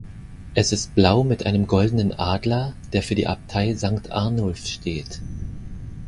Es ist blau mit einem goldenen Adler, der für die Abtei Sankt Arnulf steht.